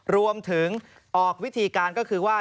รวมถึงออกวิธีการก็คือว่า